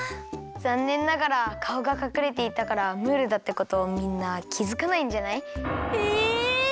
ざんねんながらかおがかくれていたからムールだってことみんなきづかないんじゃない？え！